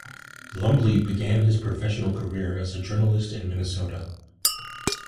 Lumbly began his professional career as a journalist in Minnesota.